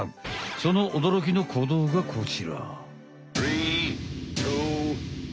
その驚きの行動がこちら。